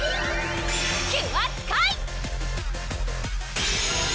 キュアスカイ！